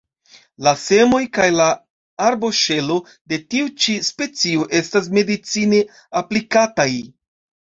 La semoj kaj la arboŝelo de tiu ĉi specio estas medicine aplikataj.